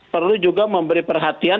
perlu juga memberi perhatian